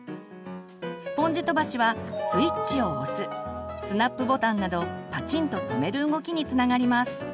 スポンジ飛ばしはスイッチを押すスナップボタンなどパチンと留める動きにつながります。